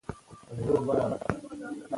موږ په ډېر خیر او عافیت سره ورسېدو.